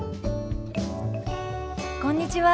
こんにちは。